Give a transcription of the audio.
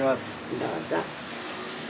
どうぞ。